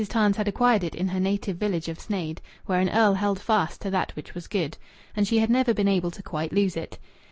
Tams had acquired it in her native village of Sneyd, where an earl held fast to that which was good, and she had never been able to quite lose it.